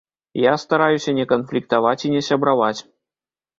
Я стараюся не канфліктаваць і не сябраваць.